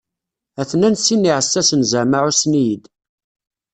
Ha-ten-an sin n yiɛessasen zaɛma ɛussen-iyi-d.